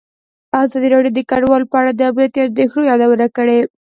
ازادي راډیو د کډوال په اړه د امنیتي اندېښنو یادونه کړې.